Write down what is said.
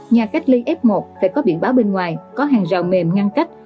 nhà cách ly f một phải có biển báo bên ngoài có hàng rào mềm ngăn cách